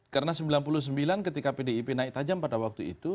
karena sembilan puluh sembilan ketika pdip naik tajam pada waktu itu